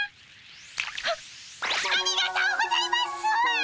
はっありがとうございます！